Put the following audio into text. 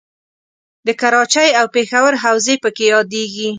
د کراچۍ او پېښور حوزې پکې یادیږي.